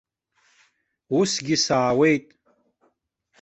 Усгьы саауеит.